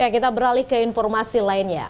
kita beralih ke informasi lainnya